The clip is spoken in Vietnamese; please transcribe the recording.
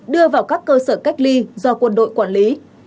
đưa vào các cơ sở cách ly do quân đội quản lý